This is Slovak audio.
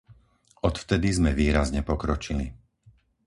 Odvtedy sme výrazne pokročili.